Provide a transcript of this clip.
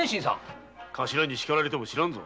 頭に叱られても知らんぞ。